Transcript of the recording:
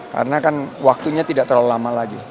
karena kan waktunya tidak terlalu lama lagi